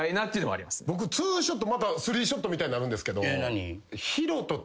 僕２ショットまた３ショットみたいになるんですけど。